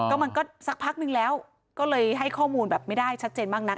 ก็มันก็สักพักนึงแล้วก็เลยให้ข้อมูลแบบไม่ได้ชัดเจนมากนัก